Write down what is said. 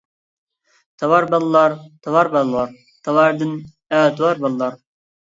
تاۋار باللار تاۋار باللار، تاۋاردىن ئەتىۋار باللار.